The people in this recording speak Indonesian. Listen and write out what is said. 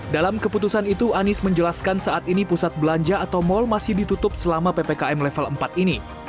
dalam keputusan itu anies menjelaskan saat ini pusat belanja atau mal masih ditutup selama ppkm level empat ini